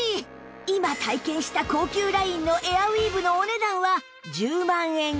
今体験した高級ラインのエアウィーヴのお値段は